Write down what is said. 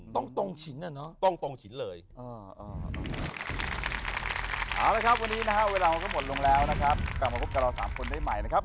ต้องตรงฉินอ่ะเนาะ